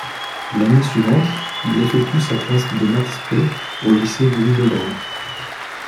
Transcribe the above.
L'année suivante, il effectue sa classe de math spé au lycée Louis-le-Grand.